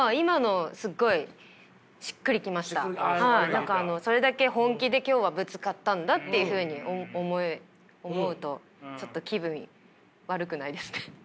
何かあのそれだけ本気で今日はぶつかったんだっていうふうに思うとちょっと気分悪くないですね。